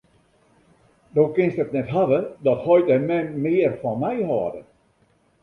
Do kinst it net hawwe dat heit en mem mear fan my hâlde.